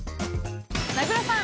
名倉さん